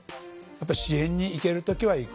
支援に行ける時は行こうと。